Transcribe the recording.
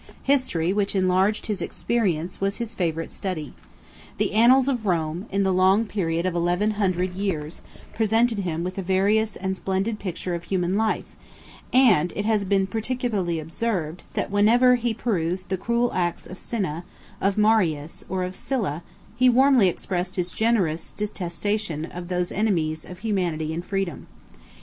History, which enlarged his experience, was his favorite study. The annals of Rome, in the long period of eleven hundred years, presented him with a various and splendid picture of human life: and it has been particularly observed, that whenever he perused the cruel acts of Cinna, of Marius, or of Sylla, he warmly expressed his generous detestation of those enemies of humanity and freedom.